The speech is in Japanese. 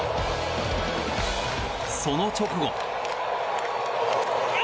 その直後。